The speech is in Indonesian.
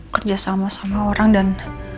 kerjasama sama orang dan